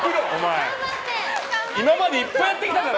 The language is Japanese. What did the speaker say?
今までいっぱいやってきただろ。